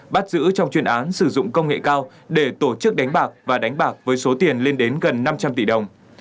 bắt giữ trong chuyên án sử dụng công nghệ cao để tổ chức đánh bạc và đánh bạc với số tiền lên đến gần năm trăm linh tỷ đồng